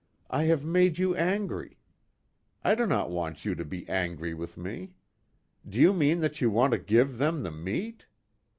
"I have made you angry. I do not want you to be angry with me. Do you mean that you want to give them the meat?